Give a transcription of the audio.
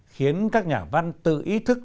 khiến các nhà văn tự ý thức